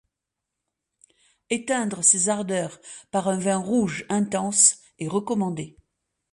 Éteindre ces ardeurs par un vin rouge intense est recommandé.